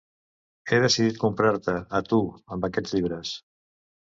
He decidit comprar-te a tu, amb aquests llibres.